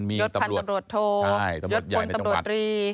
ยดพลันตำรวจโทรยดพลตำรวจรี